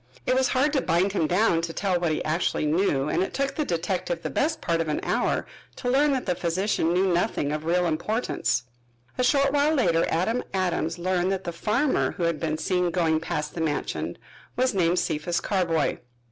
It was hard to bind him down to tell what he actually knew and it took the detective the best part of an hour to learn that the physician knew nothing of real importance. A short while later Adam Adams learned that the farmer who had been seen going past the mansion was named Cephas Carboy.